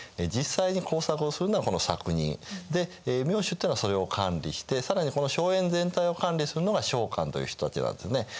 実際に耕作をするのはこの作人。で名主っていうのはそれを管理して更にこの荘園全体を管理するのが荘官という人たちなんですね。